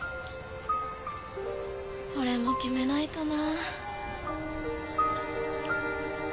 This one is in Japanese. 俺も決めないとな。